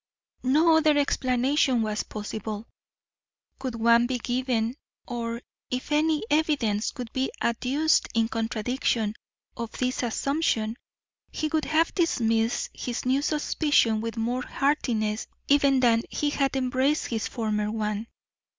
No other explanation was possible. Could one be given, or if any evidence could be adduced in contradiction of this assumption, he would have dismissed his new suspicion with more heartiness even than he had embraced his former one.